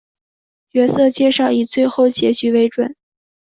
角色介绍以最后结局为准。